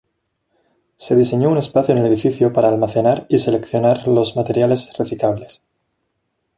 Se diseñó un espacio en el edificio para almacenar y seleccionar los materiales reciclables.